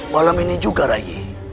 malam ini juga rai